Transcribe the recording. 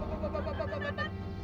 bapak bapak bapak bapak